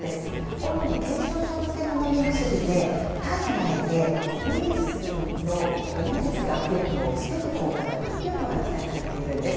主に軽症者向けの飲み薬で体内でウイルスが増えるのを防ぐ効果が期待されているんです。